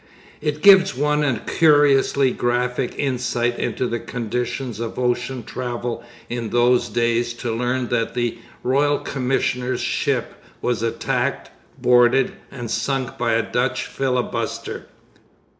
It gives one a curiously graphic insight into the conditions of ocean travel in those days to learn that the royal commissioner's ship was attacked, boarded, and sunk by a Dutch filibuster.